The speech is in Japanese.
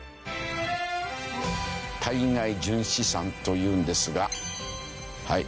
対外純資産というんですがはい。